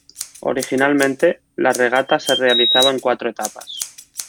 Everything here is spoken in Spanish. Originalmente la regata se realizaba en cuatro etapas.